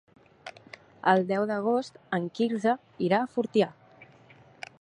El deu d'agost en Quirze irà a Fortià.